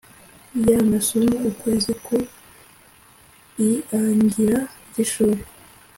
y amasomo ukwezi ku iiangira ry ishuri